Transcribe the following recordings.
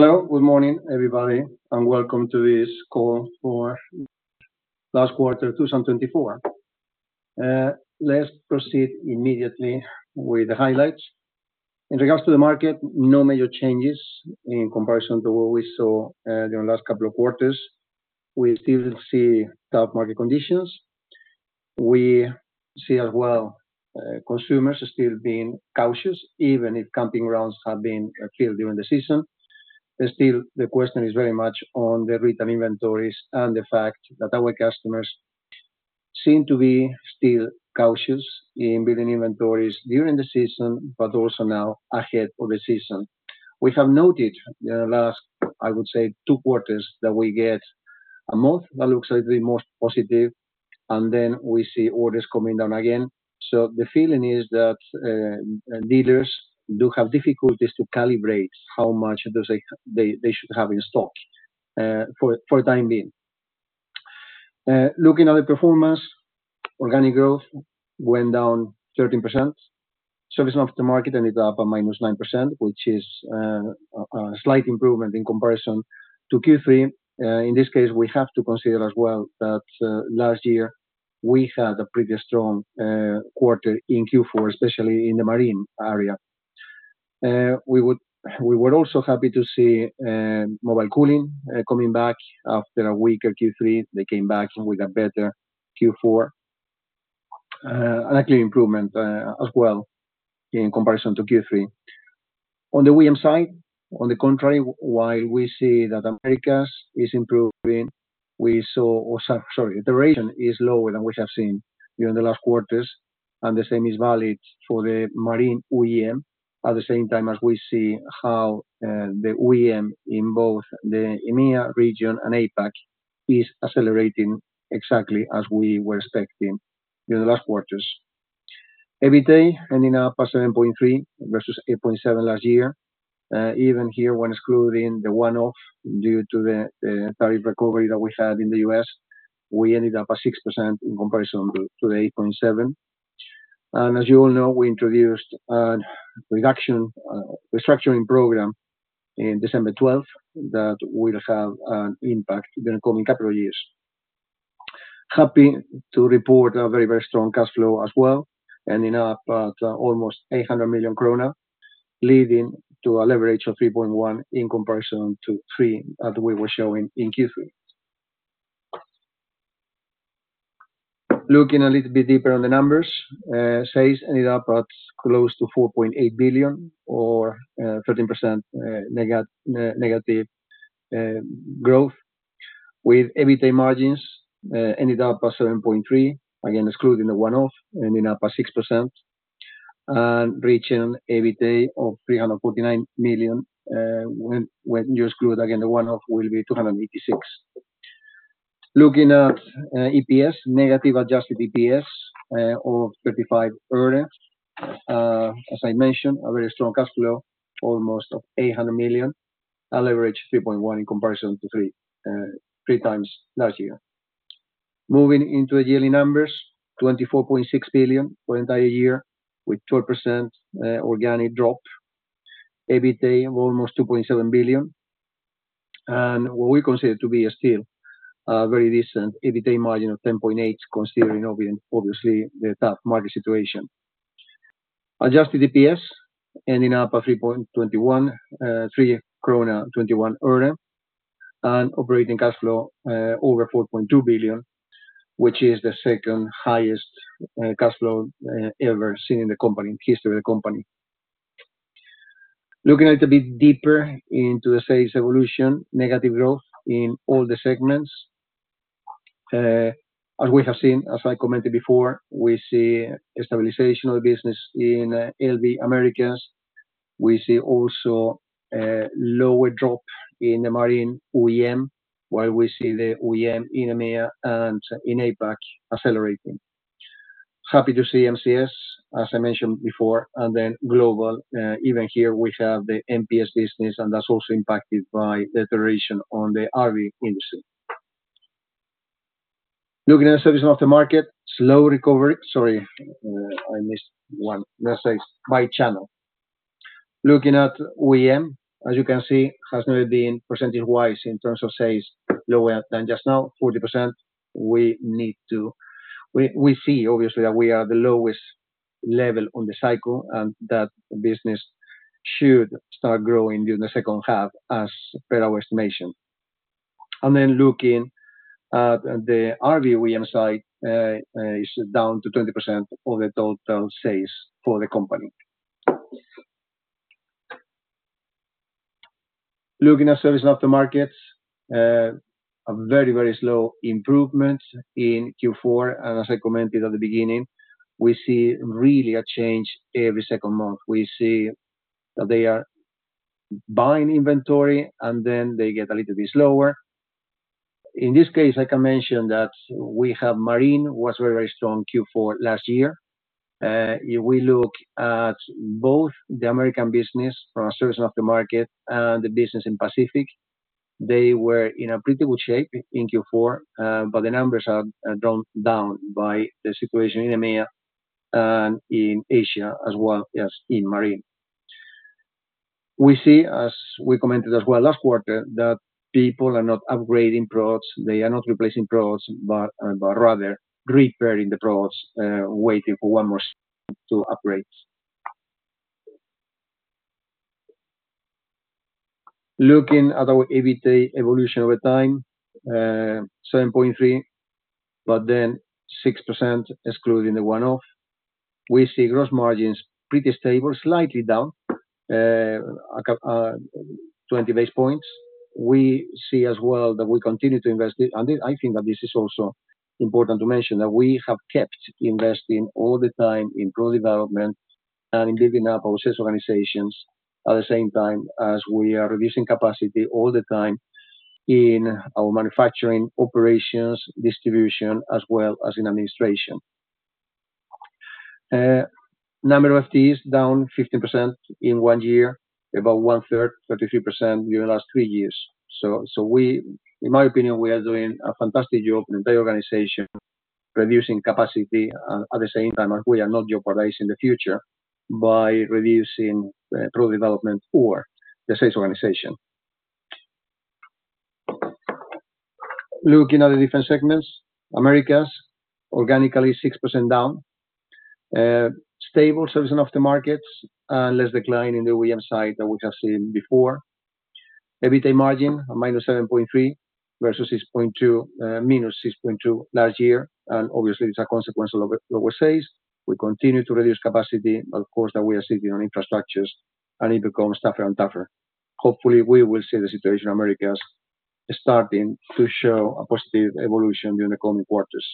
Hello, good morning, everybody, and welcome to this call for last quarter 2024. Let's proceed immediately with the highlights. In regards to the market, no major changes in comparison to what we saw during the last couple of quarters. We still see tough market conditions. We see as well consumers still being cautious, even if camping grounds have been filled during the season. Still, the question is very much on the retail inventories and the fact that our customers seem to be still cautious in building inventories during the season, but also now ahead of the season. We have noted in the last, I would say, two quarters that we get a month that looks a little bit more positive, and then we see orders coming down again. So the feeling is that dealers do have difficulties to calibrate how much they should have in stock for the time being. Looking at the performance, Organic Growth went down 13%. Service & Aftermarket ended up at minus 9%, which is a slight improvement in comparison to Q3. In this case, we have to consider as well that last year we had a pretty strong quarter in Q4, especially in the Marine area. We were also happy to see Mobile Cooling coming back after a weaker Q3. They came back with a better Q4, and a clear improvement as well in comparison to Q3. On the OEM side, on the contrary, while we see that Americas is improving, we saw, sorry, the ratio is lower than we have seen during the last quarters, and the same is valid for the Marine OEM at the same time as we see how the OEM in both the EMEA region and APAC is accelerating exactly as we were expecting during the last quarters. EBITDA ending up at 7.3% versus 8.7% last year. Even here, when excluding the one-off due to the tariff recovery that we had in the US, we ended up at 6% in comparison to the 8.7%. And as you all know, we introduced a restructuring program in December 12th that will have an impact during the coming calendar years. Happy to report a very, very strong cash flow as well, ending up at almost 800 million krona, leading to a leverage of 3.1 in comparison to 3 that we were showing in Q3. Looking a little bit deeper on the numbers, sales ended up at close to 4.8 billion or 13% negative growth, with EBITDA margins ended up at 7.3%, again excluding the one-off, ending up at 6%, and reaching EBITDA of 349 million. When you exclude again the one-off, it will be 286 million. Looking at EPS, negative adjusted EPS of 35. As I mentioned, a very strong cash flow, almost 800 million, a leverage of 3.1 in comparison to three times last year. Moving into the yearly numbers, 24.6 billion for the entire year with 12% organic drop. EBITDA of almost 2.7 billion, and what we consider to be still a very decent EBITDA margin of 10.8%, considering obviously the tough market situation. Adjusted EPS ending up at 3.21, EUR 3.21, and operating cash flow over 4.2 billion, which is the second highest cash flow ever seen in the company, in the history of the company. Looking a little bit deeper into the sales evolution, negative growth in all the segments. As we have seen, as I commented before, we see stabilization of the business in LV Americas. We see also a lower drop in the Marine OEM, while we see the OEM in EMEA and in APAC accelerating. Happy to see MCS, as I mentioned before, and then Global Ventures. Even here, we have the MPS business, and that's also impacted by the deterioration on the RV industry. Looking at the Service Aftermarket, slow recovery. Sorry, I missed one. Let's say by channel. Looking at OEM, as you can see, has never been percentage-wise in terms of sales lower than just now, 40%. We see obviously that we are at the lowest level on the cycle and that business should start growing during the second half, as per our estimation. And then looking at the RV OEM side, it's down to 20% of the total sales for the company. Looking at Service Aftermarket, a very, very slow improvement in Q4. As I commented at the beginning, we see really a change every second month. We see that they are buying inventory and then they get a little bit slower. In this case, I can mention that we have Marine was very, very strong Q4 last year. If we look at both the American business from a Service Aftermarket and the business in Pacific, they were in a pretty good shape in Q4, but the numbers have dropped down by the situation in EMEA and in Asia as well as in Marine. We see, as we commented as well last quarter, that people are not upgrading products. They are not replacing products, but rather repairing the products, waiting for one more season to upgrade. Looking at our EBITDA evolution over time, 7.3, but then 6% excluding the one-off. We see gross margins pretty stable, slightly down 20 basis points. We see as well that we continue to invest. I think that this is also important to mention that we have kept investing all the time in product development and in building up our sales organizations at the same time as we are reducing capacity all the time in our manufacturing operations, distribution, as well as in administration. Number of FTEs down 15% in one year, about one-third, 33% during the last three years. In my opinion, we are doing a fantastic job in the organization, reducing capacity at the same time as we are not jeopardizing the future by reducing product development or the sales organization. Looking at the different segments, Americas, organically 6% down, stable service aftermarket, and less decline in the OEM side that we have seen before. EBITDA margin of minus 7.3 versus minus 6.2 last year. Obviously, it's a consequence of lower sales. We continue to reduce capacity, but of course, that we are sitting on infrastructures, and it becomes tougher and tougher. Hopefully, we will see the situation in Americas starting to show a positive evolution during the coming quarters.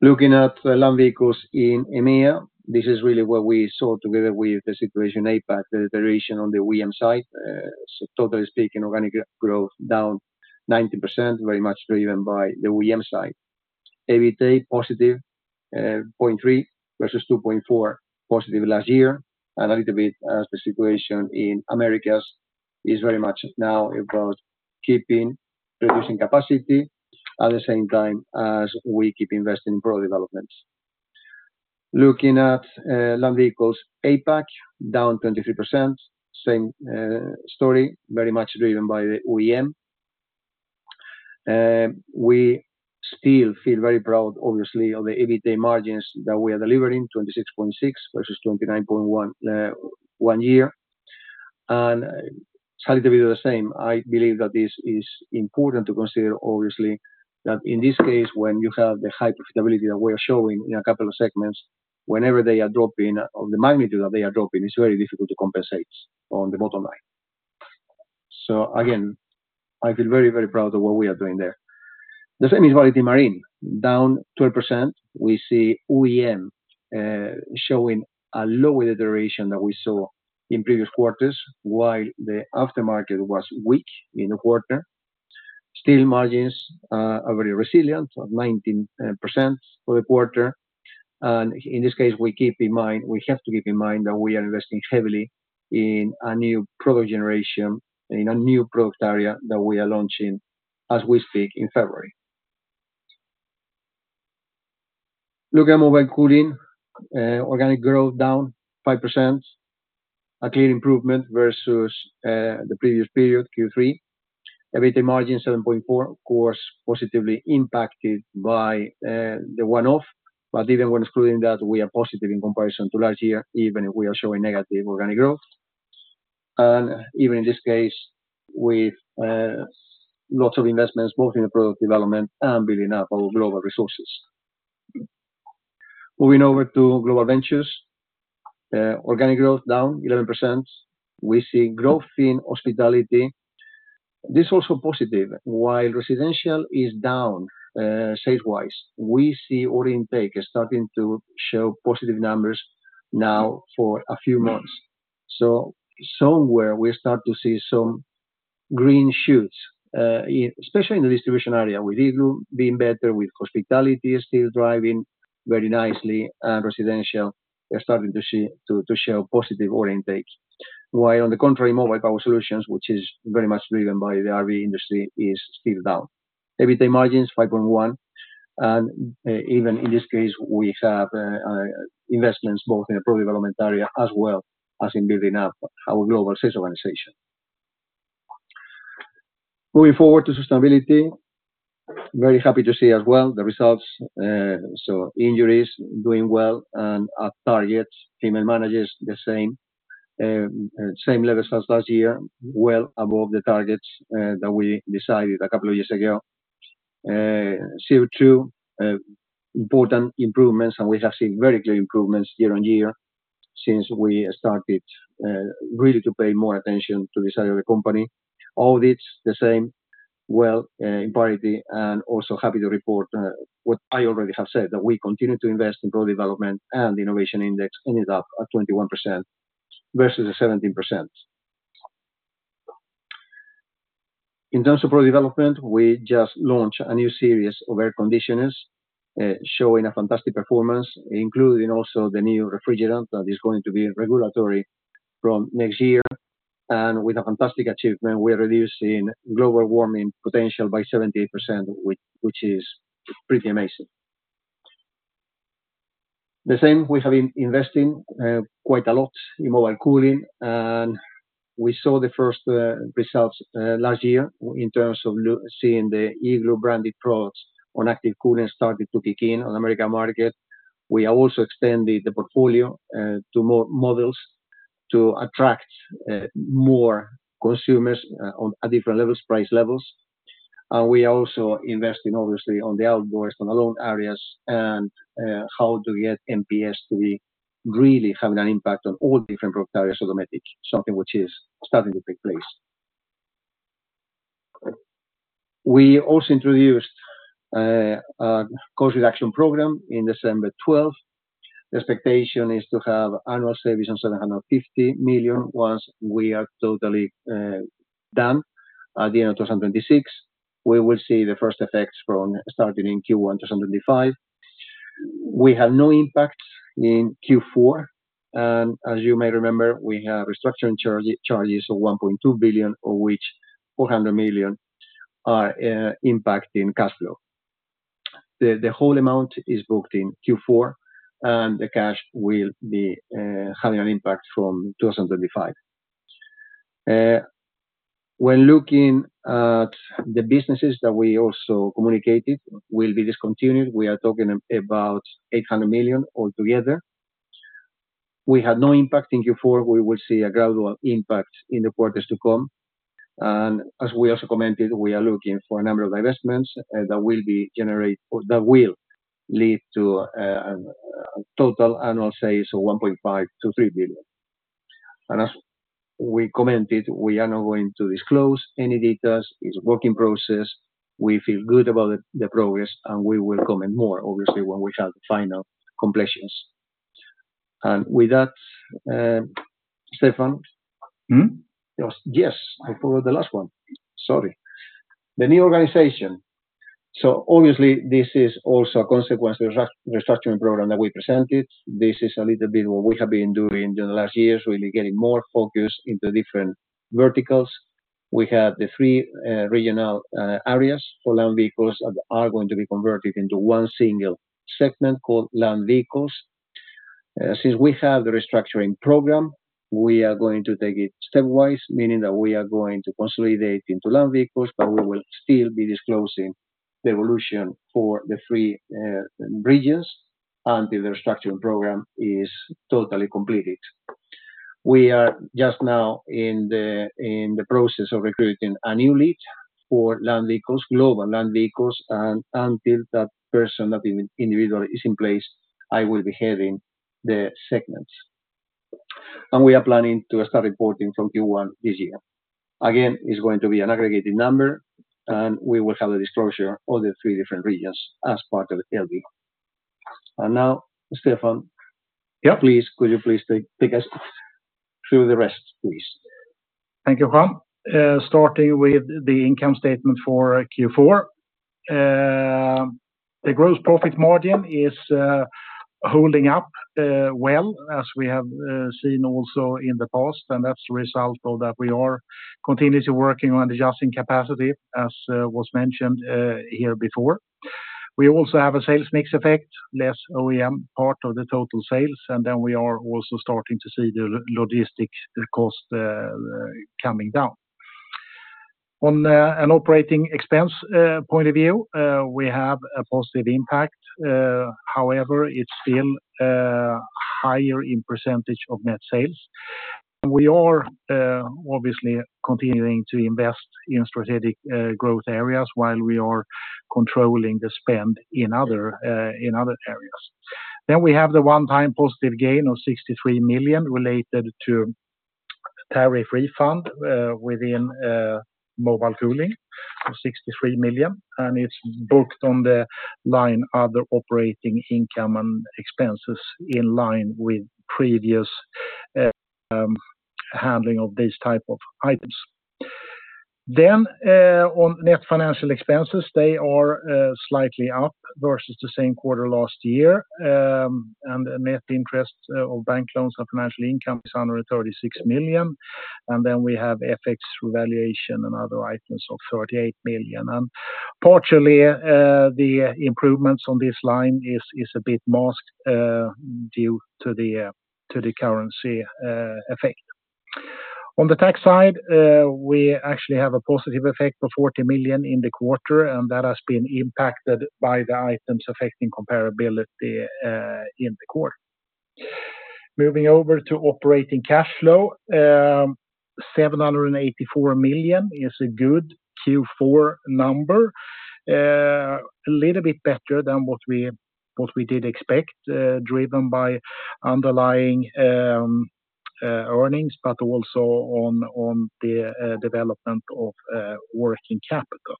Looking at land vehicles in EMEA, this is really what we saw together with the situation in APAC, the deterioration on the OEM side. Totally speaking, organic growth down 90%, very much driven by the OEM side. EBITDA positive, 0.3% versus 2.4% positive last year. A little bit, as the situation in Americas is very much now about keeping reducing capacity at the same time as we keep investing in product developments. Looking at land vehicles, APAC down 23%, same story, very much driven by the OEM. We still feel very proud, obviously, of the EBITDA margins that we are delivering, 26.6% versus 29.1% one year, and it's a little bit of the same. I believe that this is important to consider, obviously, that in this case, when you have the high profitability that we are showing in a couple of segments, whenever they are dropping or the magnitude that they are dropping, it's very difficult to compensate on the bottom line. So again, I feel very, very proud of what we are doing there. The same is valid in Marine. Down 12%, we see OEM showing a lower deterioration than we saw in previous quarters, while the aftermarket was weak in the quarter. Sales margins are very resilient, 19% for the quarter. In this case, we keep in mind, we have to keep in mind that we are investing heavily in a new product generation, in a new product area that we are launching as we speak in February. Looking at mobile cooling, organic growth down 5%, a clear improvement versus the previous period, Q3. EBITDA margin 7.4, of course, positively impacted by the one-off, but even when excluding that, we are positive in comparison to last year, even if we are showing negative organic growth. Even in this case, with lots of investments, both in the product development and building up our global resources. Moving over to global ventures, organic growth down 11%. We see growth in hospitality. This is also positive, while residential is down sales-wise. We see order intake starting to show positive numbers now for a few months. So somewhere we start to see some green shoots, especially in the distribution area, with Igloo being better, with hospitality still driving very nicely, and residential starting to show positive order intake. While on the contrary, mobile power solutions, which is very much driven by the RV industry, is still down. EBITDA margins 5.1%, and even in this case, we have investments both in the product development area as well as in building up our global sales organization. Moving forward to sustainability, very happy to see as well the results, so injuries doing well and at targets. Female managers the same, same levels as last year, well above the targets that we decided a couple of years ago. CO2, important improvements, and we have seen very clear improvements year on year since we started really to pay more attention to this area of the company. Audits, the same. Well, in parity, and also happy to report what I already have said, that we continue to invest in product development and innovation index ended up at 21% versus 17%. In terms of product development, we just launched a new series of air conditioners showing a fantastic performance, including also the new refrigerant that is going to be required from next year, and with a fantastic achievement, we are reducing global warming potential by 78%, which is pretty amazing. The same, we have been investing quite a lot in mobile cooling, and we saw the first results last year in terms of seeing the Igloo branded products on active cooling started to kick in on the American market. We have also extended the portfolio to more models to attract more consumers at different levels, price levels. We are also investing, obviously, on the outdoors, on the loan areas, and how to get MPS to really have an impact on all different product areas automatically, something which is starting to take place. We also introduced a cost reduction program in December 12th. The expectation is to have annual savings of 750 million once we are totally done at the end of 2026. We will see the first effects from starting in Q1 2025. We have no impact in Q4. And as you may remember, we have restructuring charges of 1.2 billion, of which 400 million are impacting cash flow. The whole amount is booked in Q4, and the cash will be having an impact from 2025. When looking at the businesses that we also communicated will be discontinued, we are talking about 800 million altogether. We had no impact in Q4. We will see a gradual impact in the quarters to come. As we also commented, we are looking for a number of investments that will generate or that will lead to total annual sales of 1.5 billion-3 billion. As we commented, we are not going to disclose any details. It's a working process. We feel good about the progress, and we will comment more, obviously, when we have the final completions. With that, Stefan, yes. I followed the last one. Sorry. The new organization. Obviously, this is also a consequence of the restructuring program that we presented. This is a little bit what we have been doing during the last years, really getting more focused into different verticals. We have the three regional areas for land vehicles that are going to be converted into one single segment called land vehicles. Since we have the restructuring program, we are going to take it stepwise, meaning that we are going to consolidate into Land Vehicles, but we will still be disclosing the evolution for the three regions until the restructuring program is totally completed. We are just now in the process of recruiting a new lead for Land Vehicles, global Land Vehicles, and until that person, that individual is in place, I will be heading the segments. And we are planning to start reporting from Q1 this year. Again, it's going to be an aggregated number, and we will have a disclosure of the three different regions as part of the LV. And now, Stefan, please, could you please take us through the rest, please? Thank you, Juan. Starting with the income statement for Q4, the gross profit margin is holding up well as we have seen also in the past, and that's the result of that we are continuously working on adjusting capacity, as was mentioned here before. We also have a sales mix effect, less OEM part of the total sales, and then we are also starting to see the logistics cost coming down. On an operating expense point of view, we have a positive impact. However, it's still higher in percentage of net sales, and we are obviously continuing to invest in strategic growth areas while we are controlling the spend in other areas, then we have the one-time positive gain of 63 million related to tariff refund within mobile cooling of 63 million, and it's booked on the line other operating income and expenses in line with previous handling of these types of items. Net financial expenses are slightly up versus the same quarter last year, and net interest of bank loans and financial income is under 36 million. We have FX revaluation and other items of 38 million. Partially, the improvements on this line is a bit masked due to the currency effect. On the tax side, we actually have a positive effect of 40 million in the quarter, and that has been impacted by the items affecting comparability in the quarter. Moving over to operating cash flow, 784 million is a good Q4 number, a little bit better than what we did expect, driven by underlying earnings, but also on the development of working capital.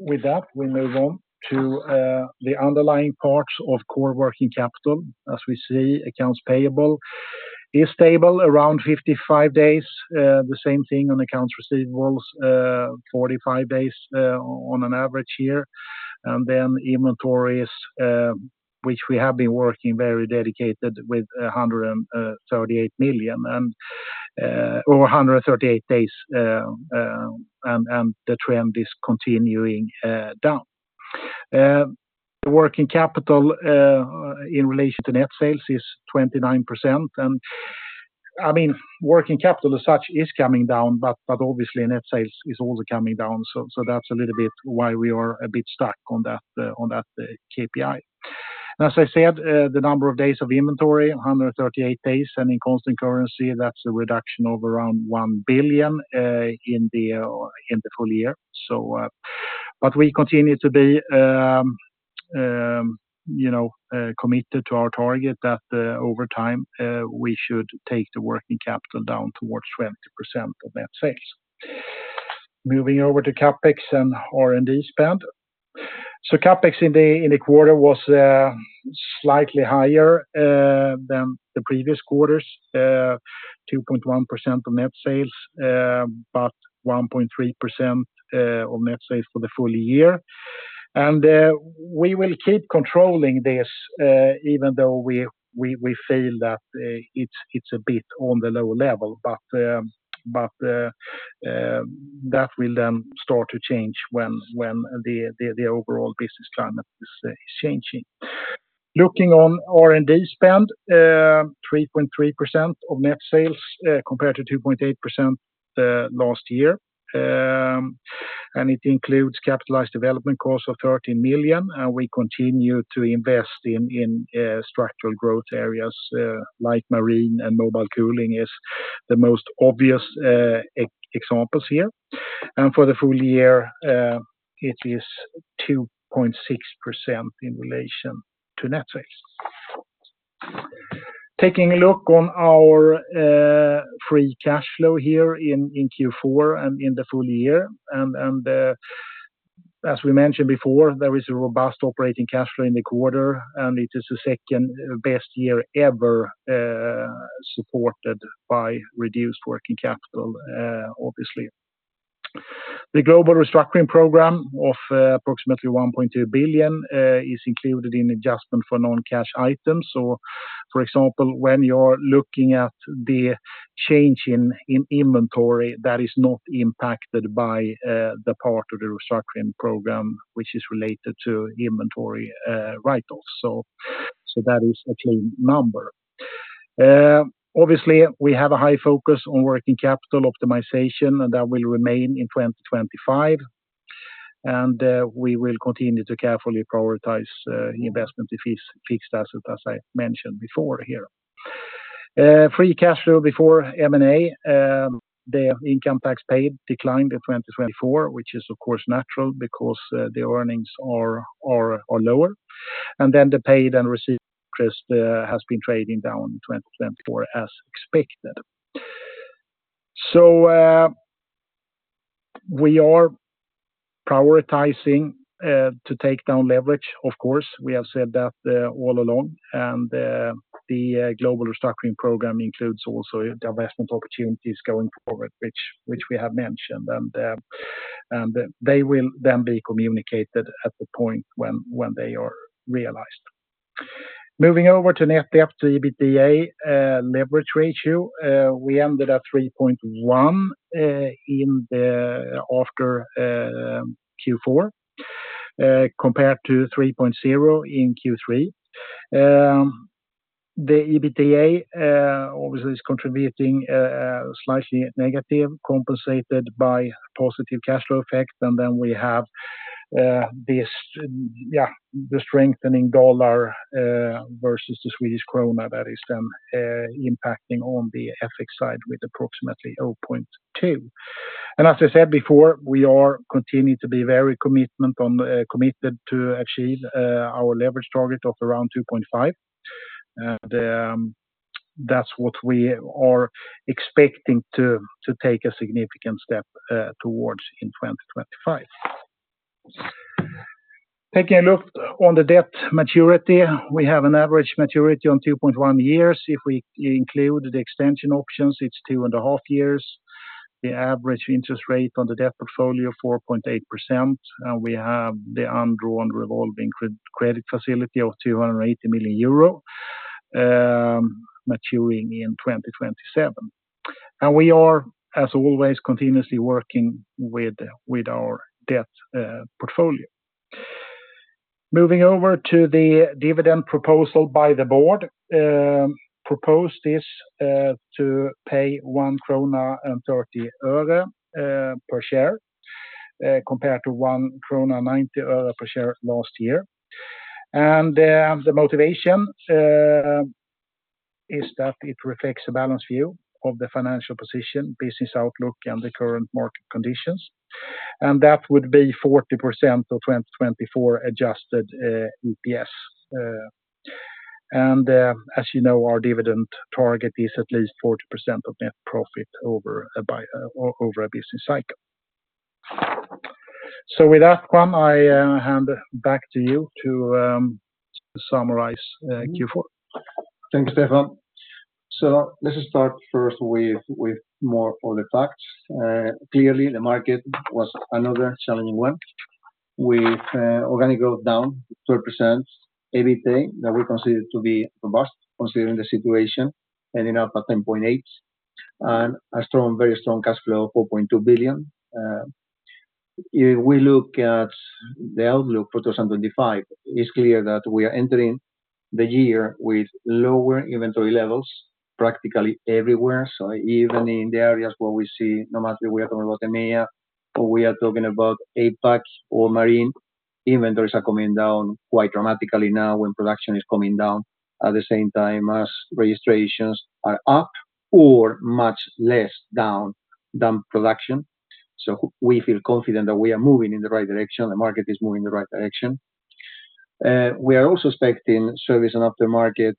With that, we move on to the underlying parts of core working capital. As we see, accounts payable is stable around 55 days, the same thing on accounts receivables, 45 days on an average year, and then inventories, which we have been working very dedicated with 138 million or 138 days, and the trend is continuing down. The working capital in relation to net sales is 29%, and I mean, working capital as such is coming down, but obviously, net sales is also coming down, so that's a little bit why we are a bit stuck on that KPI. As I said, the number of days of inventory, 138 days, and in constant currency, that's a reduction of around 1 billion in the full year, but we continue to be committed to our target that over time we should take the working capital down towards 20% of net sales. Moving over to CapEx and R&D spend. CapEx in the quarter was slightly higher than the previous quarters, 2.1% of net sales, but 1.3% of net sales for the full year. We will keep controlling this even though we feel that it's a bit on the low level, but that will then start to change when the overall business climate is changing. Looking on R&D spend, 3.3% of net sales compared to 2.8% last year. It includes capitalized development costs of 13 million, and we continue to invest in structural growth areas like marine and mobile cooling is the most obvious examples here. For the full year, it is 2.6% in relation to net sales. Taking a look at our free cash flow here in Q4 and in the full year, and as we mentioned before, there is a robust operating cash flow in the quarter, and it is the second best year ever supported by reduced working capital, obviously. The global restructuring program of approximately 1.2 billion is included in adjustment for non-cash items. So for example, when you are looking at the change in inventory that is not impacted by the part of the restructuring program, which is related to inventory rentals. So that is a clean number. Obviously, we have a high focus on working capital optimization, and that will remain in 2025. And we will continue to carefully prioritize investment in fixed assets, as I mentioned before here. Free cash flow before M&A, the income tax paid declined in 2024, which is, of course, natural because the earnings are lower. The paid and received interest has been trading down in 2024 as expected. So we are prioritizing to take down leverage, of course. We have said that all along. The global restructuring program includes also the investment opportunities going forward, which we have mentioned, and they will then be communicated at the point when they are realized. Moving over to net debt to EBITDA leverage ratio, we ended at 3.1 after Q4 compared to 3.0 in Q3. The EBITDA obviously is contributing slightly negative, compensated by positive cash flow effect. Then we have the strengthening dollar versus the Swedish krona that is then impacting on the FX side with approximately 0.2. As I said before, we are continuing to be very committed to achieve our leverage target of around 2.5. That's what we are expecting to take a significant step towards in 2025. Taking a look on the debt maturity, we have an average maturity on 2.1 years. If we include the extension options, it's 2 and a half years. The average interest rate on the debt portfolio is 4.8%, and we have the undrawn revolving credit facility of 280 million euro maturing in 2027, and we are, as always, continuously working with our debt portfolio. Moving over to the dividend proposal by the board. Proposed is to pay EUR 1.30 per share compared to EUR 1.90 per share last year, and the motivation is that it reflects a balanced view of the financial position, business outlook, and the current market conditions, and that would be 40% of 2024 adjusted EPS, and as you know, our dividend target is at least 40% of net profit over a business cycle, so with that, Juan, I hand back to you to summarize Q4. Thank you, Stefan. So let's start first with more of the facts. Clearly, the market was another challenging one with organic growth down 12%, EBITDA that we consider to be robust considering the situation ending up at 10.8%, and a very strong cash flow of 4.2 billion. If we look at the outlook for 2025, it's clear that we are entering the year with lower inventory levels practically everywhere. So even in the areas where we see no matter if we are talking about EMEA or we are talking about APAC or marine, inventories are coming down quite dramatically now when production is coming down at the same time as registrations are up or much less down than production. So we feel confident that we are moving in the right direction. The market is moving in the right direction. We are also expecting service and aftermarket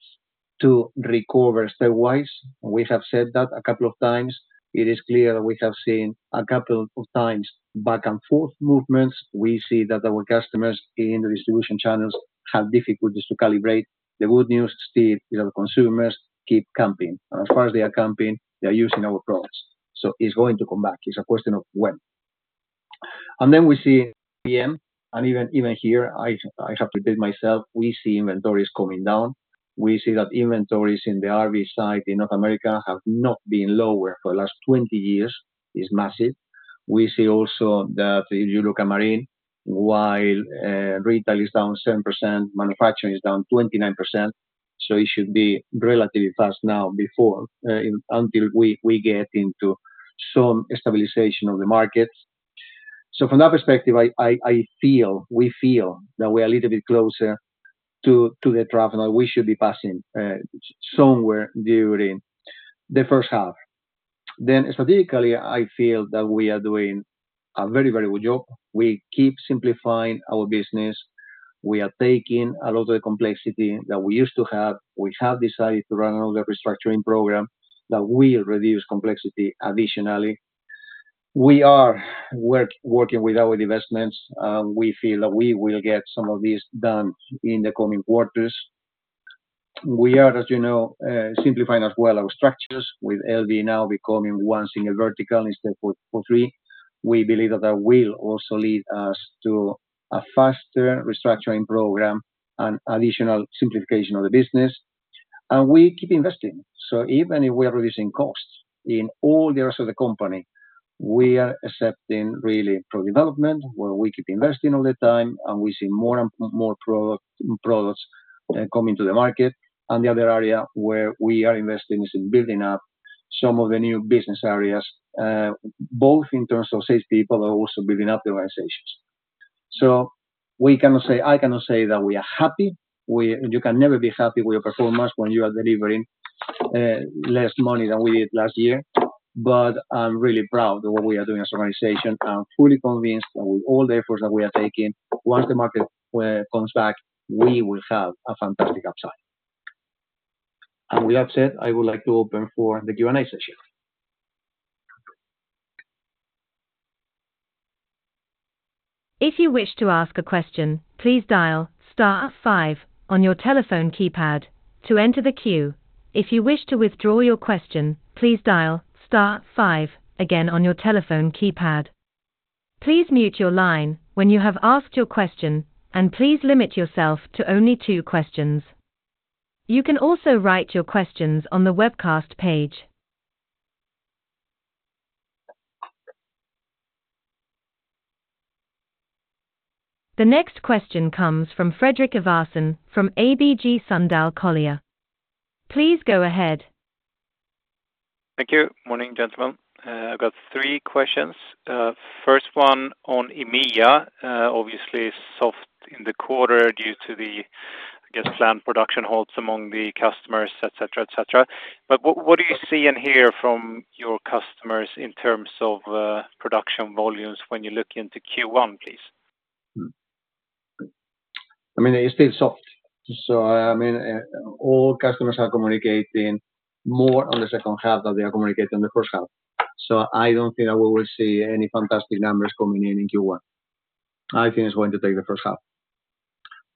to recover stepwise. We have said that a couple of times. It is clear that we have seen a couple of times back and forth movements. We see that our customers in the distribution channels have difficulties to calibrate. The good news still is that consumers keep camping. And as far as they are camping, they are using our products. So it's going to come back. It's a question of when. And then we see OEM, and even here, I have to repeat myself, we see inventories coming down. We see that inventories in the RV side in North America have not been lower for the last 20 years. It's massive. We see also that if you look at Marine, while retail is down 7%, manufacturing is down 29%. So it should be relatively fast now before until we get into some stabilization of the market. So from that perspective, we feel that we are a little bit closer to the trough and that we should be passing somewhere during the first half. Then strategically, I feel that we are doing a very, very good job. We keep simplifying our business. We are taking a lot of the complexity that we used to have. We have decided to run another restructuring program that will reduce complexity additionally. We are working with our investments, and we feel that we will get some of this done in the coming quarters. We are, as you know, simplifying as well our structures with LV now becoming one single vertical instead of three. We believe that that will also lead us to a faster restructuring program and additional simplification of the business. And we keep investing. So even if we are reducing costs in all the rest of the company, we are accepting really for development where we keep investing all the time, and we see more and more products coming to the market. And the other area where we are investing is in building up some of the new business areas, both in terms of salespeople and also building up the organizations. So I cannot say that we are happy. You can never be happy with your performance when you are delivering less money than we did last year. But I'm really proud of what we are doing as an organization and fully convinced that with all the efforts that we are taking, once the market comes back, we will have a fantastic upside. And with that said, I would like to open for the Q&A session. If you wish to ask a question, please dial star five on your telephone keypad to enter the queue. If you wish to withdraw your question, please dial star five again on your telephone keypad. Please mute your line when you have asked your question, and please limit yourself to only two questions. You can also write your questions on the webcast page. The next question comes from Fredrik Ivarsson from ABG Sundal Collier. Please go ahead. Thank you. Morning, gentlemen. I've got three questions. First one on EMEA, obviously soft in the quarter due to the, I guess, planned production holds among the customers, etc., etc. But what do you see in here from your customers in terms of production volumes when you look into Q1, please? I mean, it's still soft. So, I mean, all customers are communicating more on the second half than they are communicating on the first half. So, I don't think that we will see any fantastic numbers coming in in Q1. I think it's going to take the first half.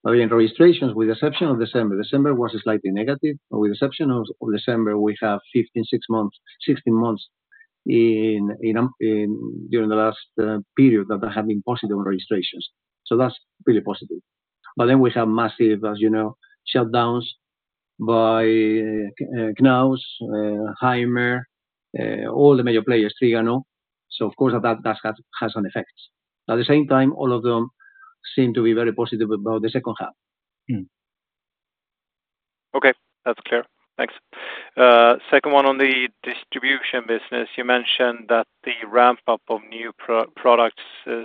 Again, registrations with the exception of December. December was slightly negative. With the exception of December, we have 15, 16 months during the last period that have been positive on registrations. So that's really positive. But then we have massive, as you know, shutdowns by Knaus, Hymer, all the major players, Trigano. So of course, that has an effect. At the same time, all of them seem to be very positive about the second half. Okay. That's clear. Thanks. Second one on the distribution business. You mentioned that the ramp-up of new products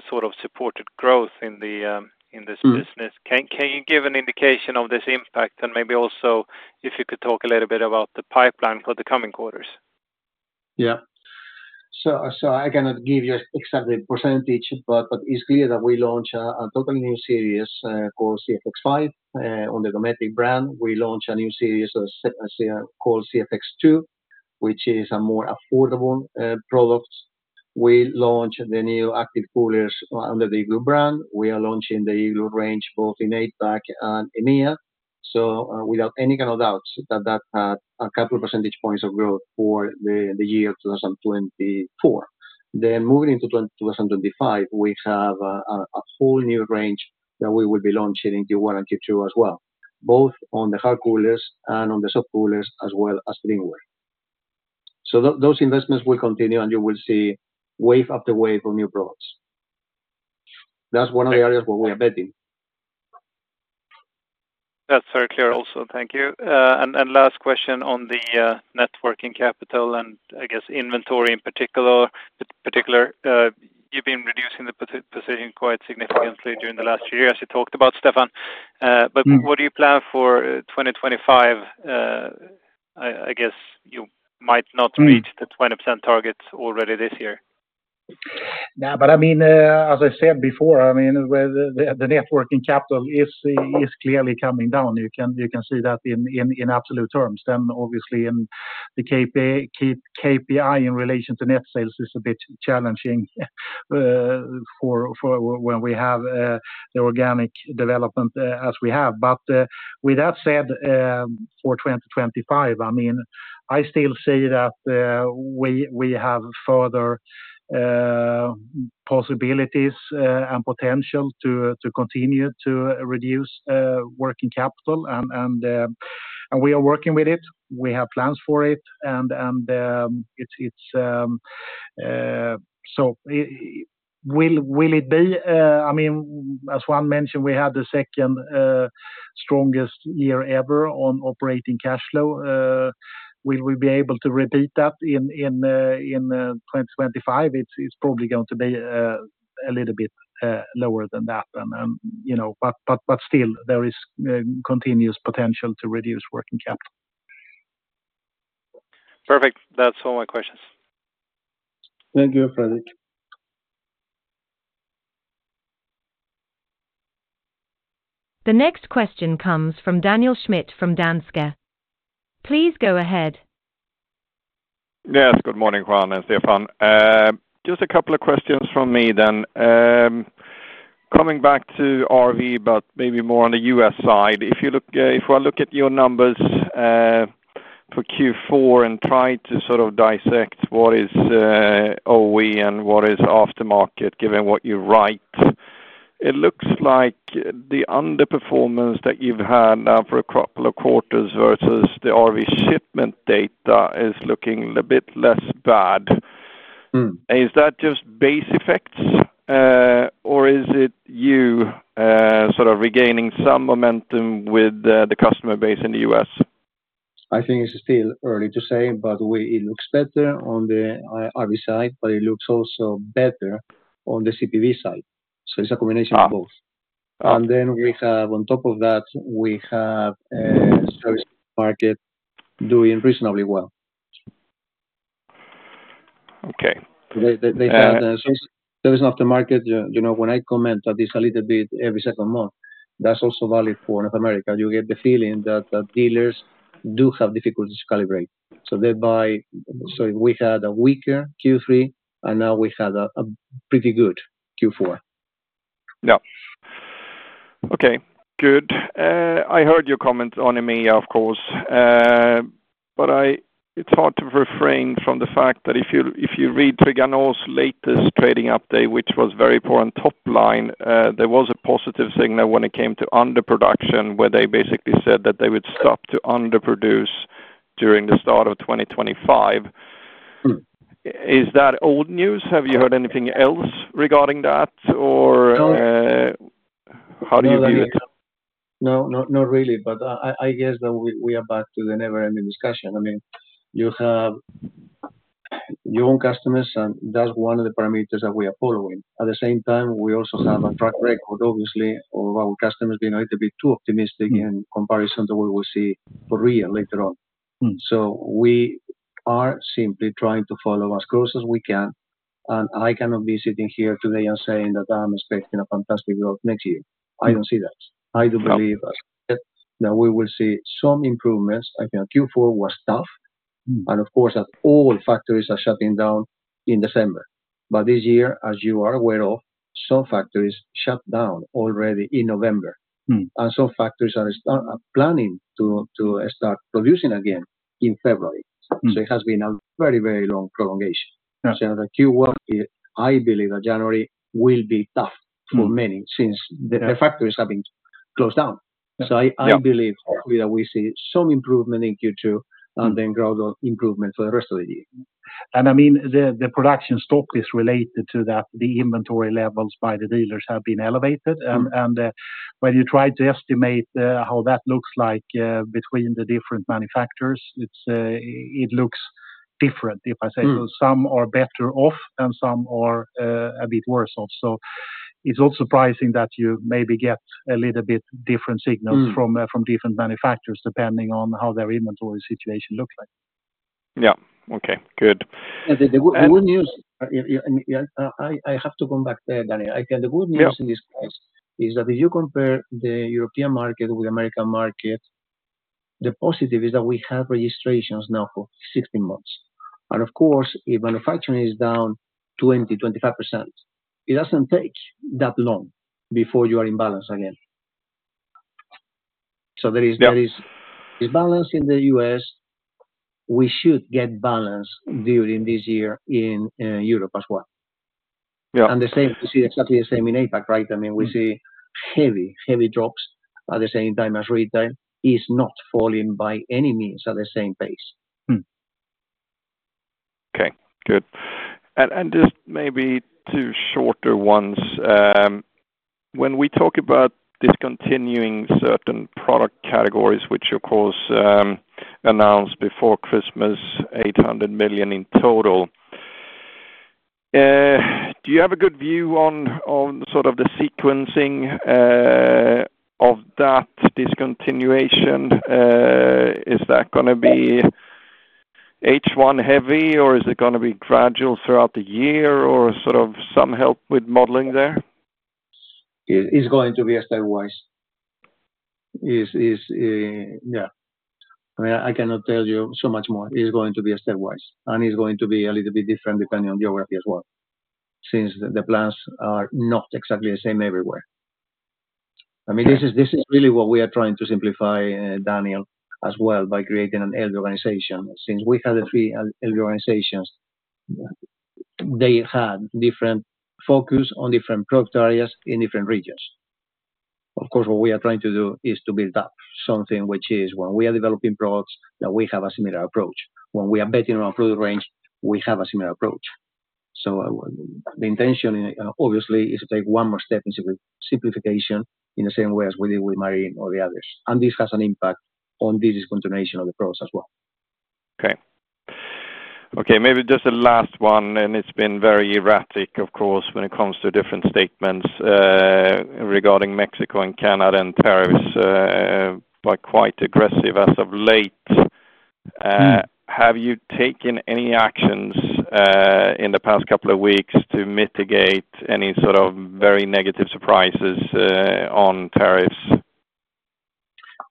sort of supported growth in this business. Can you give an indication of this impact? And maybe also if you could talk a little bit about the pipeline for the coming quarters. Yeah. So I cannot give you exactly a percentage, but it's clear that we launch a totally new series called CFX5 on the Dometic brand. We launch a new series called CFX2, which is a more affordable product. We launch the new active coolers under the Igloo brand. We are launching the Igloo range both in APAC and EMEA. So without any kind of doubt, that had a couple of percentage points of growth for the year 2024. Then moving into 2025, we have a whole new range that we will be launching in Q1 and Q2 as well, both on the hard coolers and on the soft coolers as well as drinkware. So those investments will continue, and you will see wave after wave of new products. That's one of the areas where we are betting. That's very clear also. Thank you. And last question on the working capital and, I guess, inventory in particular. You've been reducing the position quite significantly during the last few years, as you talked about, Stefan. But what do you plan for 2025? I guess you might not reach the 20% target already this year Yeah. But I mean, as I said before, I mean, the working capital is clearly coming down. You can see that in absolute terms. Then obviously, the KPI in relation to net sales is a bit challenging when we have the organic development as we have. But with that said, for 2025, I mean, I still see that we have further possibilities and potential to continue to reduce working capital. And we are working with it. We have plans for it. And so will it be? I mean, as Juan mentioned, we had the second strongest year ever on operating cash flow. Will we be able to repeat that in 2025? It's probably going to be a little bit lower than that. But still, there is continuous potential to reduce working capital. Perfect. That's all my questions. Thank you, Fredrik. The next question comes from Daniel Schmidt from Danske. Please go ahead. Yes. Good morning, Juan and Stefan. Just a couple of questions from me then. Coming back to RV, but maybe more on the US side. If I look at your numbers for Q4 and try to sort of dissect what is OEM and what is aftermarket, given what you write, it looks like the underperformance that you've had now for a couple of quarters versus the RV shipment data is looking a bit less bad. Is that just base effects, or is it you sort of regaining some momentum with the customer base in the US? I think it's still early to say, but it looks better on the RV side, but it looks also better on the CPV side. So it's a combination of both. And then on top of that, we have service aftermarket doing reasonably well. Okay. So service aftermarket, when I comment that it's a little bit every second month, that's also valid for North America. You get the feeling that dealers do have difficulties to calibrate. So we had a weaker Q3, and now we had a pretty good Q4. Yeah. Okay. Good. I heard your comments on EMEA, of course. But it's hard to refrain from the fact that if you read Trigano's latest trading update, which was very important top line, there was a positive signal when it came to underproduction, where they basically said that they would stop to underproduce during the start of 2025. Is that old news? Have you heard anything else regarding that, or how do you view it? No, not really. But I guess that we are back to the never-ending discussion. I mean, you have your own customers, and that's one of the parameters that we are following. At the same time, we also have a track record, obviously, of our customers being a little bit too optimistic in comparison to what we will see for real later on. So we are simply trying to follow as close as we can. And I cannot be sitting here today and saying that I'm expecting a fantastic growth next year. I don't see that. I do believe that we will see some improvements. I think Q4 was tough. And of course, all factories are shutting down in December. But this year, as you are aware of, some factories shut down already in November. And some factories are planning to start producing again in February. So it has been a very, very long prolongation. So Q1, I believe that January will be tough for many since the factories have been closed down. So I believe hopefully that we see some improvement in Q2 and then growth improvement for the rest of the year. And I mean, the production stock is related to that. The inventory levels by the dealers have been elevated. And when you try to estimate how that looks like between the different manufacturers, it looks different, if I say so. Some are better off, and some are a bit worse off. So it's also surprising that you maybe get a little bit different signals from different manufacturers depending on how their inventory situation looks like. Yeah. Okay. Good. The good news is I have to come back there, Danny. The good news in this case is that if you compare the European market with the American market, the positive is that we have registrations now for 16 months. And of course, if manufacturing is down 20%-25%, it doesn't take that long before you are in balance again. So there is balance in the U.S. We should get balance during this year in Europe as well. And the same, we see exactly the same in APAC, right? I mean, we see heavy, heavy drops at the same time as retail is not falling by any means at the same pace. Okay. Good. And just maybe two shorter ones. When we talk about discontinuing certain product categories, which of course announced before Christmas, 800 million in total, do you have a good view on sort of the sequencing of that discontinuation? Is that going to be H1 heavy, or is it going to be gradual throughout the year, or sort of some help with modeling there? It's going to be a stepwise. Yeah. I mean, I cannot tell you so much more. It's going to be stepwise, and it's going to be a little bit different depending on geography as well, since the plans are not exactly the same everywhere. I mean, this is really what we are trying to simplify, Daniel, as well, by creating an R&D organization. Since we had three R&D organizations, they had different focus on different product areas in different regions. Of course, what we are trying to do is to build up something which is, when we are developing products, that we have a similar approach. When we are betting on a product range, we have a similar approach, so the intention, obviously, is to take one more step in simplification in the same way as we did with Marine or the others, and this has an impact on the discontinuation of the products as well. Maybe just a last one, and it's been very erratic, of course, when it comes to different statements regarding Mexico and Canada and tariffs by quite aggressive as of late. Have you taken any actions in the past couple of weeks to mitigate any sort of very negative surprises on tariffs?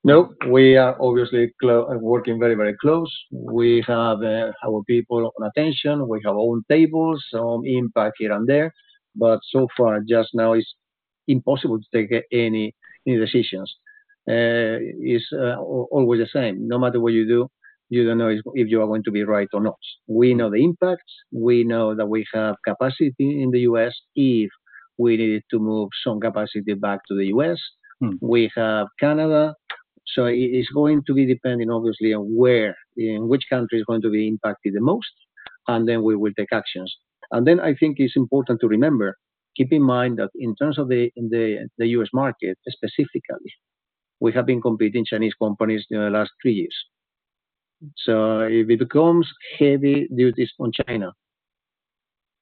No, we are obviously working very, very close. We have our people on attention. We have our own tables, some impact here and there. But so far, just now, it's impossible to take any decisions. It's always the same. No matter what you do, you don't know if you are going to be right or not. We know the impacts. We know that we have capacity in the US if we needed to move some capacity back to the US. We have Canada. It's going to be depending, obviously, on which country is going to be impacted the most. And then we will take actions. And then I think it's important to remember, keep in mind that in terms of the U.S. market specifically, we have been competing with Chinese companies during the last three years. So if it becomes heavy duties on China,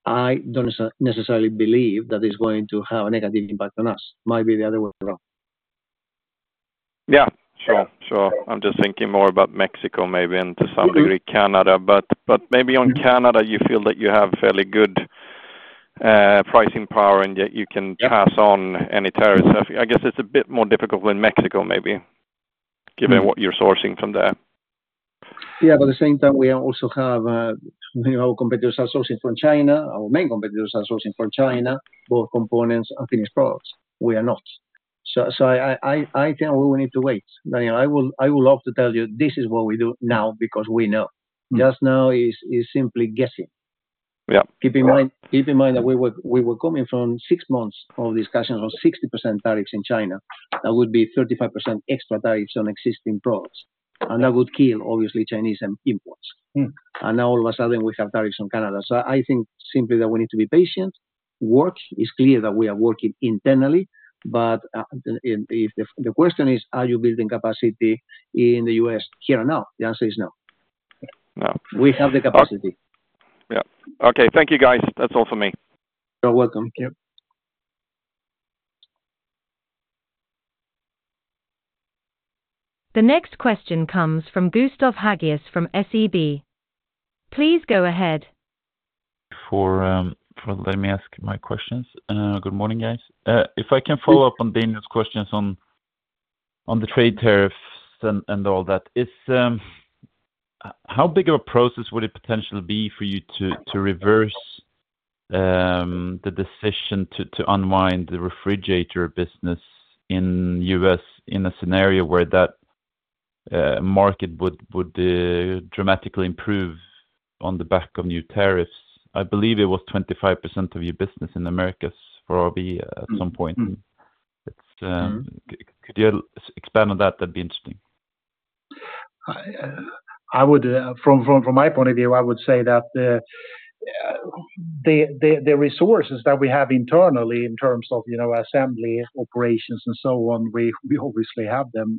I don't necessarily believe that it's going to have a negative impact on us. It might be the other way around. Yeah. Sure. Sure. I'm just thinking more about Mexico, maybe, and to some degree, Canada. But maybe on Canada, you feel that you have fairly good pricing power, and yet you can pass on any tariffs. I guess it's a bit more difficult with Mexico, maybe, given what you're sourcing from there. Yeah. But at the same time, we also have our competitors are sourcing from China. Our main competitors are sourcing from China, both components and finished products. We are not. So I think we will need to wait. I would love to tell you, "This is what we do now because we know." Just now is simply guessing. Keep in mind that we were coming from six months of discussions on 60% tariffs in China. That would be 35% extra tariffs on existing products. And that would kill, obviously, Chinese imports. And now, all of a sudden, we have tariffs on Canada. So I think simply that we need to be patient. It's clear that we are working internally. But if the question is, "Are you building capacity in the U.S. here and now?" The answer is no. We have the capacity. Yeah. Okay. Thank you, guys. That's all for me. You're welcome. The next question comes from Gustav Hageus from SEB. Please go ahead. Before, let me ask my questions. Good morning, guys. If I can follow up on Daniel's questions on the trade tariffs and all that, how big of a process would it potentially be for you to reverse the decision to unwind the refrigerator business in the US in a scenario where that market would dramatically improve on the back of new tariffs? I believe it was 25% of your business in Americas for RV at some point. Could you expand on that? That'd be interesting. From my point of view, I would say that the resources that we have internally in terms of assembly operations and so on, we obviously have them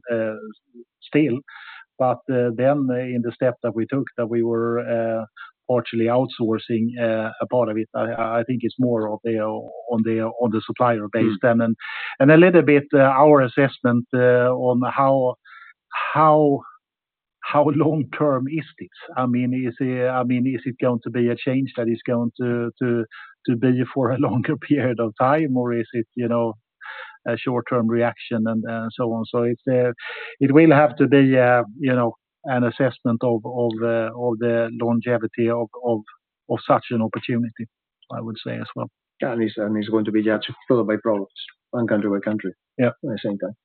still. But then in the step that we took, that we were partially outsourcing a part of it, I think it's more on the supplier base than. And a little bit our assessment on how long-term is this. I mean, is it going to be a change that is going to be for a longer period of time, or is it a short-term reaction and so on? So it will have to be an assessment of the longevity of such an opportunity, I would say, as well. And it's going to be judged by products and country by country at the same time.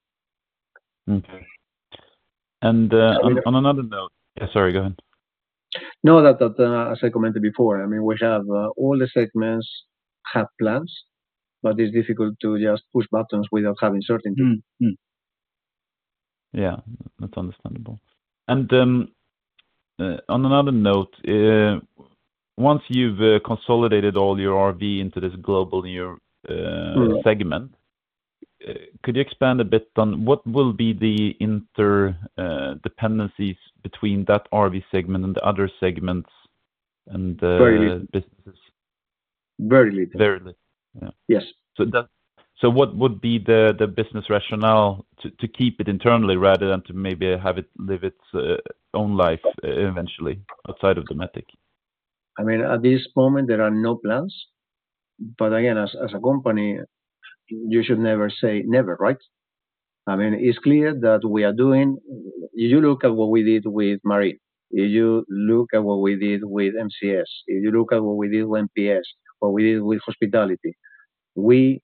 Okay. And on another note yeah, sorry, go ahead. No, as I commented before, I mean, all the segments have plans, but it's difficult to just push buttons without having certainty. Yeah. That's understandable. And on another note, once you've consolidated all your RV into this global new segment, could you expand a bit on what will be the interdependencies between that RV segment and the other segments and businesses? Very little. Very little. Yes. So what would be the business rationale to keep it internally rather than to maybe have it live its own life eventually outside of Dometic? I mean, at this moment, there are no plans. But again, as a company, you should never say never, right? I mean, it's clear that we are doing. You look at what we did with Marine. You look at what we did with MCS. You look at what we did with MPS, what we did with hospitality. We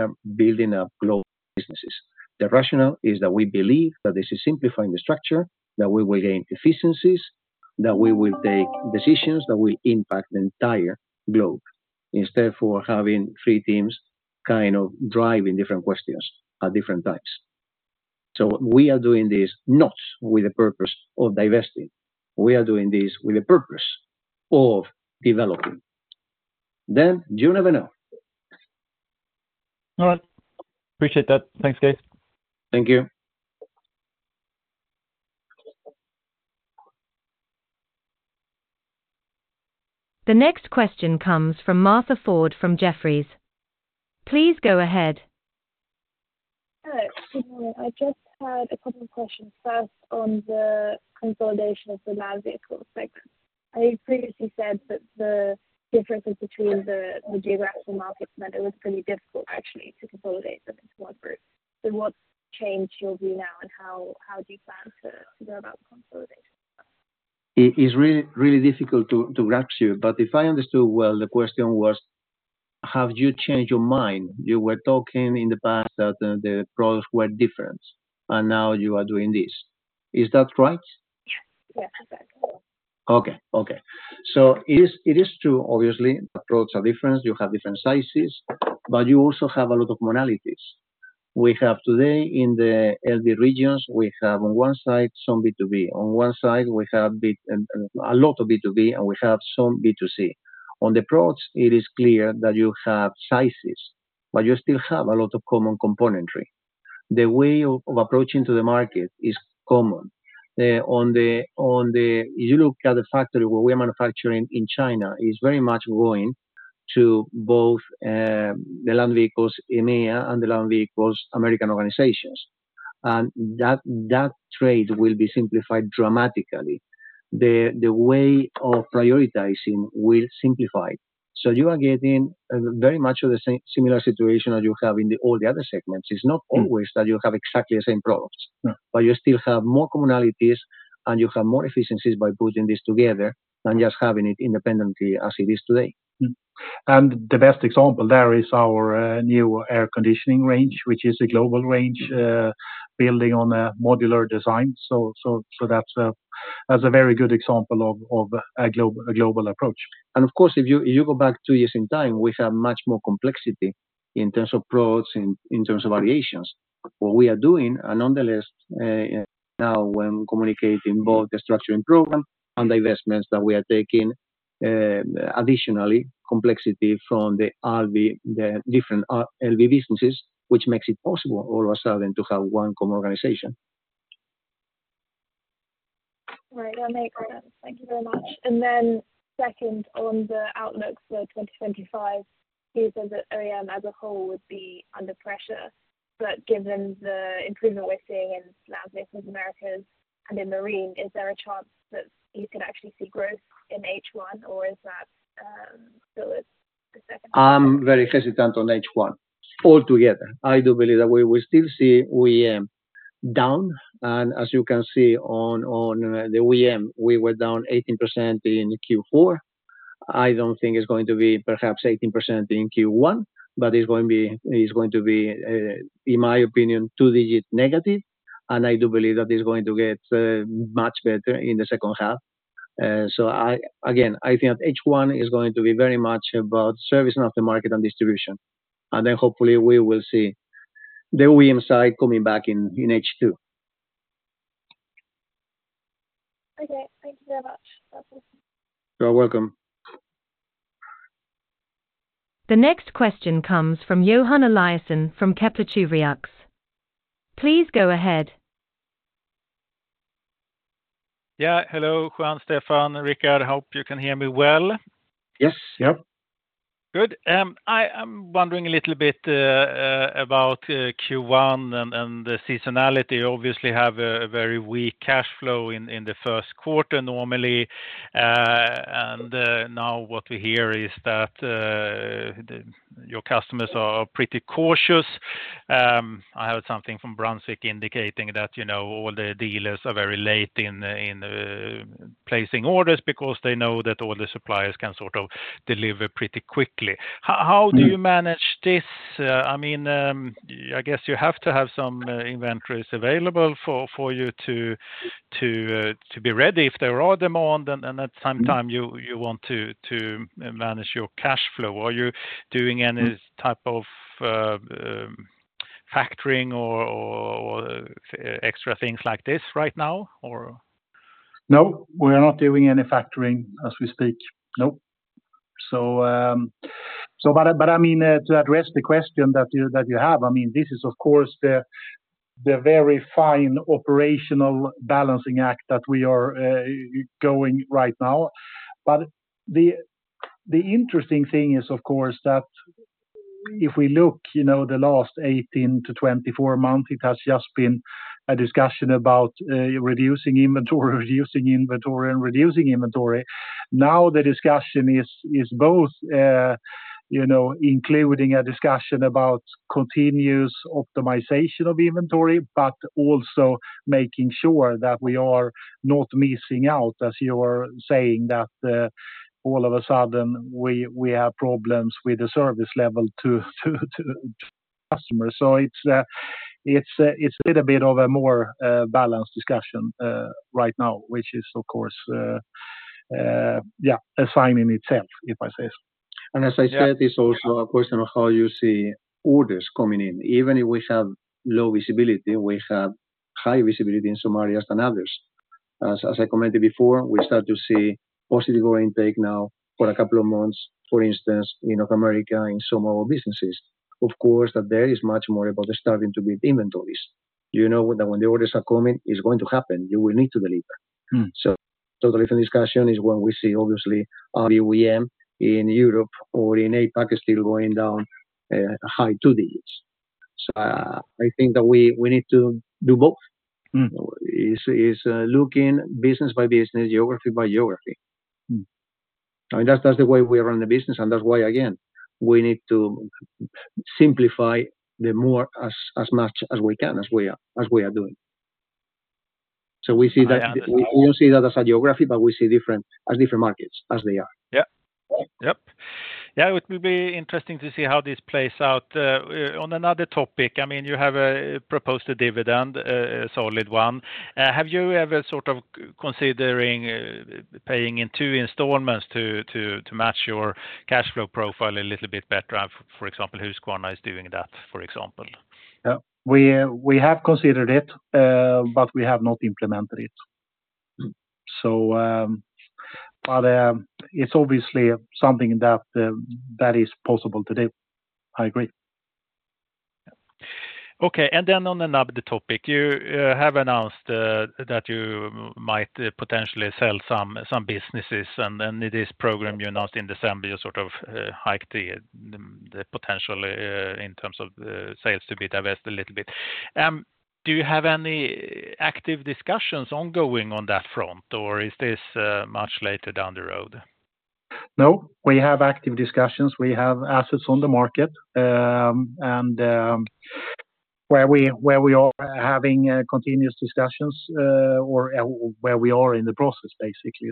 are building up global businesses. The rationale is that we believe that this is simplifying the structure, that we will gain efficiencies, that we will take decisions that will impact the entire globe instead of having three teams kind of driving different questions at different times. So we are doing this not with the purpose of divesting. We are doing this with the purpose of developing. Then you never know. All right. Appreciate that. Thanks, guys. Thank you. The next question comes from Martha Ford from Jefferies. Please go ahead. Hello. I just had a couple of questions. First, on the consolidation of the land vehicle segment. I previously said that the differences between the geographical markets meant it was pretty difficult, actually, to consolidate them into one group. So what's changed your view now, and how do you plan to go about consolidating? It's really difficult to hear you. But if I understood well, the question was, have you changed your mind? You were talking in the past that the products were different, and now you are doing this. Is that right? Yes. Yeah. Exactly. Okay. Okay. So it is true, obviously. Products are different. You have different sizes, but you also have a lot of modalities. We have today in the LV regions, we have on one side some B2B. On one side, we have a lot of B2B, and we have some B2C. On the products, it is clear that you have sizes, but you still have a lot of common componentry. The way of approaching to the market is common. If you look at the factory where we are manufacturing in China, it's very much going to both the Land Vehicles EMEA and the Land Vehicles Americas organizations. And that trade will be simplified dramatically. The way of prioritizing will simplify. So you are getting very much of the similar situation that you have in all the other segments. It's not always that you have exactly the same products, but you still have more commonalities, and you have more efficiencies by putting this together than just having it independently as it is today. And the best example there is our new air conditioning range, which is a global range building on a modular design. So that's a very good example of a global approach. And of course, if you go back two years in time, we have much more complexity in terms of products, in terms of variations. What we are doing, and nonetheless, now when communicating both the structuring program and divestments that we are taking, additionally, complexity from the different LV businesses, which makes it possible all of a sudden to have one common organization. Right. That makes sense. Thank you very much. And then second, on the outlook for 2025, you said that OEM as a whole would be under pressure. But given the improvement we're seeing in Land Vehicles Americas and in Marine, is there a chance that you could actually see growth in H1, or is that still the second I'm very hesitant on H1 altogether. I do believe that we will still see OEM down. And as you can see on the OEM, we were down 18% in Q4. I don't think it's going to be perhaps 18% in Q1, but it's going to be, in my opinion, two-digit negative. And I do believe that it's going to get much better in the second half. So again, I think H1 is going to be very much about servicing of the market and distribution. And then hopefully, we will see the OEM side coming back in H2 Okay. Thank you very much. You're welcome. The next question comes from Johan Eliasson from Kepler Cheuvreux. Please go ahead. Yeah. Hello, Juan, Stefan, Rikard. I hope you can hear me well. Yes. Yep. Good. I'm wondering a little bit about Q1 and the seasonality. You obviously have a very weak cash flow in the first quarter normally. And now what we hear is that your customers are pretty cautious. I heard something from Brunswick indicating that all the dealers are very late in placing orders because they know that all the suppliers can sort of deliver pretty quickly. How do you manage this? I mean, I guess you have to have some inventories available for you to be ready if there are demands, and at some time, you want to manage your cash flow. Are you doing any type of factoring or extra things like this right now, or? No, we are not doing any factoring as we speak. No. But I mean, to address the question that you have, I mean, this is, of course, the very fine operational balancing act that we are going right now. But the interesting thing is, of course, that if we look at the last 18 to 24 months, it has just been a discussion about reducing inventory, reducing inventory, and reducing inventory. Now the discussion is both including a discussion about continuous optimization of inventory, but also making sure that we are not missing out, as you are saying, that all of a sudden, we have problems with the service level to customers. So it's a little bit of a more balanced discussion right now, which is, of course, yeah, a sign in itself, if I say so. As I said, it's also a question of how you see orders coming in. Even if we have low visibility, we have high visibility in some areas than others. As I commented before, we start to see positive order intake now for a couple of months, for instance, in North America in some of our businesses. Of course, that there is much more about starting to build inventories. You know that when the orders are coming, it's going to happen. You will need to deliver. So the delivery discussion is when we see, obviously, OEM in Europe or in APAC is still going down high two digits. So I think that we need to do both. It's looking business by business, geography by geography. I mean, that's the way we run the business, and that's why, again, we need to simplify as much as we can as we are doing. So we see that we don't see that as a geography, but we see different markets as they are. Yeah. Yep. Yeah. It will be interesting to see how this plays out. On another topic, I mean, you have proposed a dividend, a solid one. Have you ever sort of considering paying in two installments to match your cash flow profile a little bit better? For example, Husqvarna is doing that, for example. Yeah. We have considered it, but we have not implemented it. But it's obviously something that is possible to do. I agree. Okay. And then on another topic, you have announced that you might potentially sell some businesses. In this program you announced in December, you sort of hiked the potential in terms of sales to be divested a little bit. Do you have any active discussions ongoing on that front, or is this much later down the road? No. We have active discussions. We have assets on the market where we are having continuous discussions or where we are in the process, basically.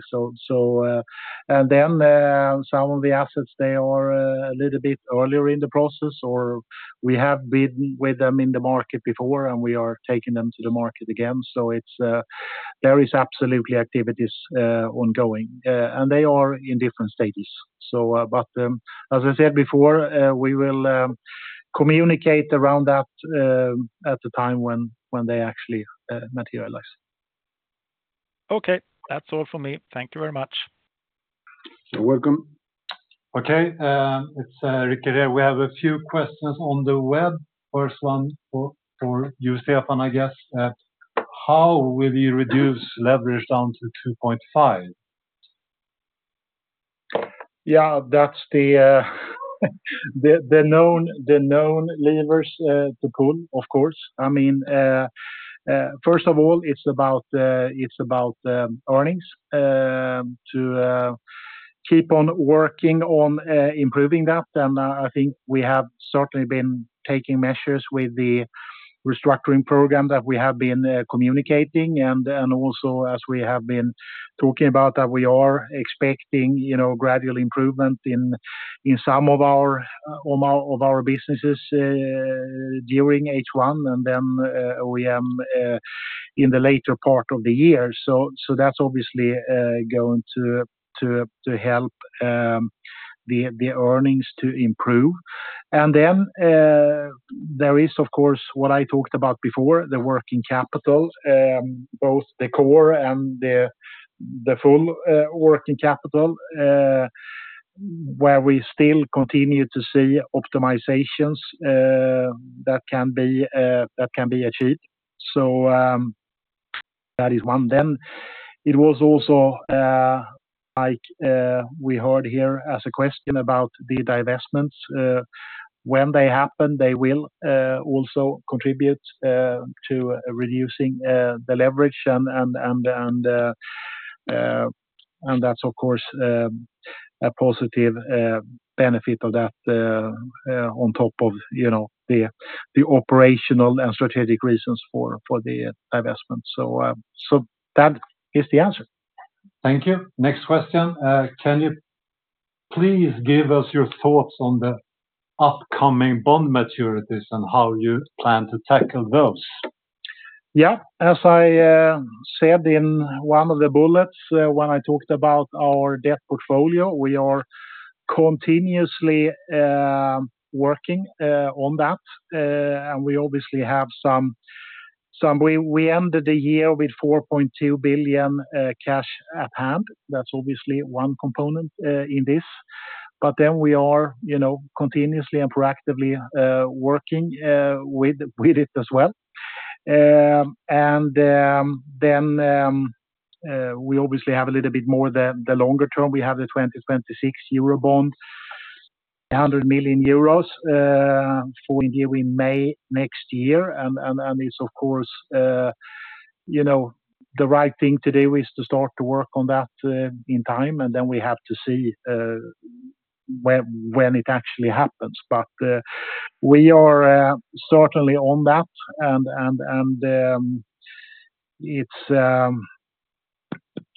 And then some of the assets, they are a little bit earlier in the process, or we have been with them in the market before, and we are taking them to the market again. So there is absolutely activities ongoing, and they are in different stages. But as I said before, we will communicate around that at the time when they actually materialize. Okay. That's all from me. Thank you very much. You're welcome. Okay. It's Rickard here. We have a few questions on the web. First one for you, Stefan, I guess. How will you reduce leverage down to 2.5? Yeah. That's the known levers to pull, of course. I mean, first of all, it's about earnings to keep on working on improving that. And I think we have certainly been taking measures with the restructuring program that we have been communicating. And also, as we have been talking about, that we are expecting gradual improvement in some of our businesses during H1 and then OEM in the later part of the year. So that's obviously going to help the earnings to improve. And then there is, of course, what I talked about before, the working capital, both the core and the full working capital, where we still continue to see optimizations that can be achieved. So that is one. Then it was also like we heard here as a question about the divestments. When they happen, they will also contribute to reducing the leverage. And that's, of course, a positive benefit of that on top of the operational and strategic reasons for the divestment. So that is the answer. Thank you. Next question. Can you please give us your thoughts on the upcoming bond maturities and how you plan to tackle those? Yeah. As I said in one of the bullets when I talked about our debt portfolio, we are continuously working on that. And we obviously have some, we ended the year with 4.2 billion cash at hand. That's obviously one component in this. But then we are continuously and proactively working with it as well. And then we obviously have a little bit more the longer term. We have the 2026 Eurobond, 100 million euros due in May next year. It's, of course, the right thing to do to start to work on that in time. Then we have to see when it actually happens. We are certainly on that.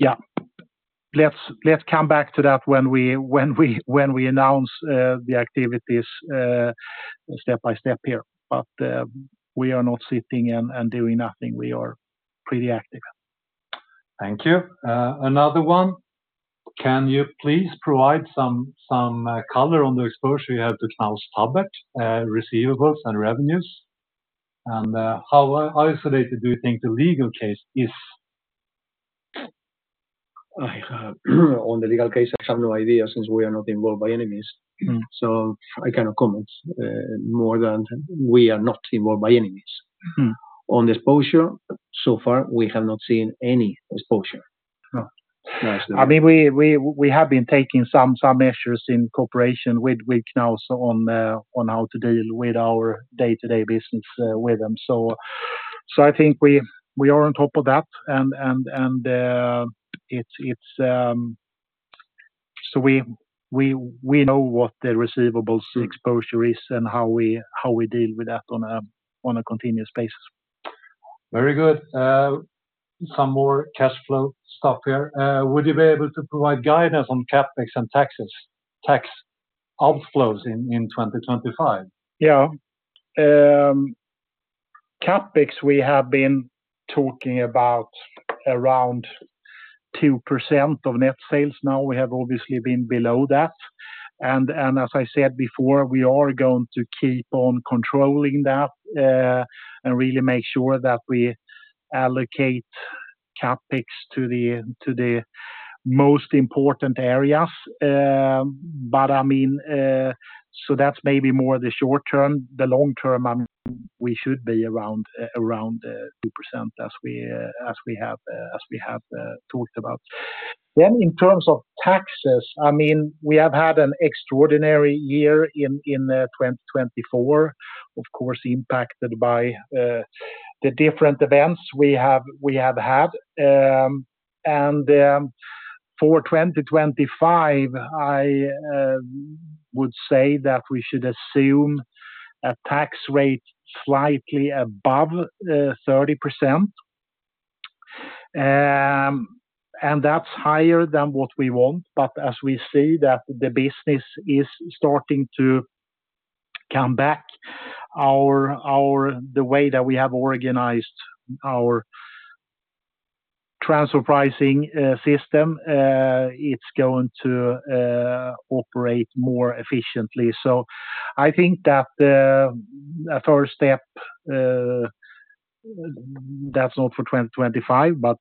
Yeah, let's come back to that when we announce the activities step by step here. We are not sitting and doing nothing. We are pretty active. Thank you. Another one. Can you please provide some color on the exposure you have to Knaus Tabbert, receivables and revenues? How isolated do you think the legal case is? On the legal case, I have no idea since we are not involved by any means. I cannot comment more than we are not involved by any means. On the exposure, so far, we have not seen any exposure. I mean, we have been taking some measures in cooperation with Knaus on how to deal with our day-to-day business with them. So I think we are on top of that, and so we know what the receivables exposure is and how we deal with that on a continuous basis. Very good. Some more cash flow stuff here. Would you be able to provide guidance on CapEx and tax outflows in 2025? Yeah. CapEx, we have been talking about around 2% of net sales now. We have obviously been below that. And as I said before, we are going to keep on controlling that and really make sure that we allocate CapEx to the most important areas, but I mean, so that's maybe more the short term. The long term, I mean, we should be around 2% as we have talked about. Then in terms of taxes, I mean, we have had an extraordinary year in 2024, of course, impacted by the different events we have had. And for 2025, I would say that we should assume a tax rate slightly above 30%. And that's higher than what we want. But as we see that the business is starting to come back, the way that we have organized our transfer pricing system, it's going to operate more efficiently. So I think that the first step, that's not for 2025, but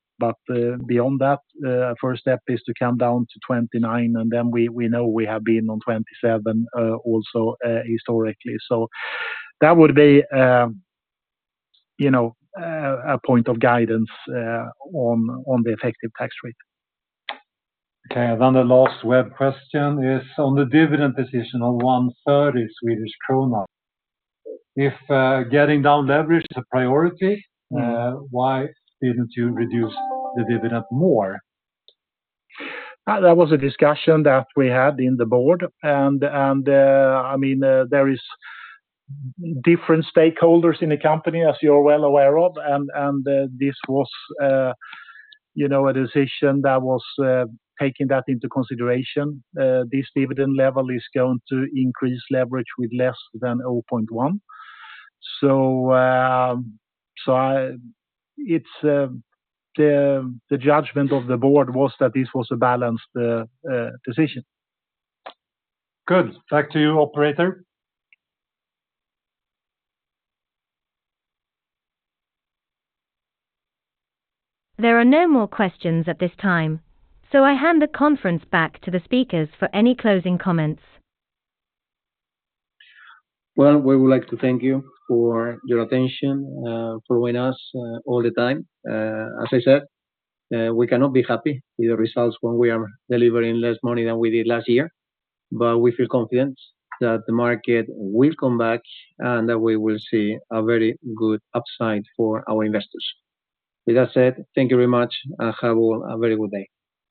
beyond that, the first step is to come down to 29%. And then we know we have been on 27% also historically. So that would be a point of guidance on the effective tax rate. Okay. Then the last web question is on the dividend decision on SEK 1.30. If getting down leverage is a priority, why didn't you reduce the dividend more? That was a discussion that we had in the board, and I mean, there are different stakeholders in the company, as you're well aware of, and this was a decision that was taken that into consideration. This dividend level is going to increase leverage with less than 0.1, so the judgment of the board was that this was a balanced decision. Good. Back to you, operator. There are no more questions at this time, so I hand the conference back to the speakers for any closing comments. Well, we would like to thank you for your attention for following us all this time. As I said, we cannot be happy with the results when we are delivering less money than we did last year. But we feel confident that the market will come back and that we will see a very good upside for our investors. With that said, thank you very much, and have a very good day.